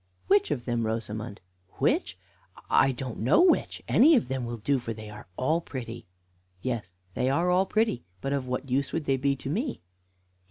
"Which of them, Rosamond?" "Which? I don't know which; any of them will do, for they are all pretty." "Yes, they are all pretty; but of what use would they be to me?"